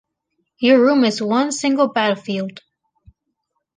Your room is one single battlefield.